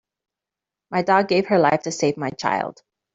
My dog gave her life to save my child.